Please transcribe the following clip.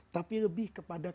tapi lebih kepada